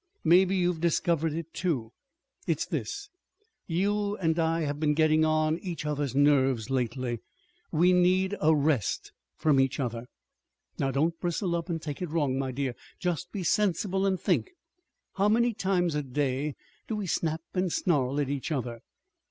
Maybe you've discovered it, too. It's this: you and I have been getting on each other's nerves, lately. We need a rest from each other. Now, don't bristle up and take it wrong, my dear. Just be sensible and think. How many times a day do we snap and snarl at each other?